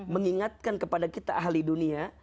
mengingatkan kepada kita ahli dunia